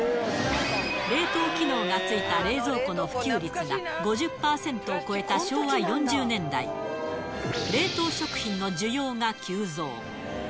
冷凍機能が付いた冷蔵庫の普及率が、５０％を超えた昭和４０年代、冷凍食品の需要が急増。